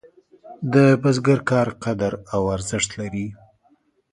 د بزګر کار قدر او ارزښت لري.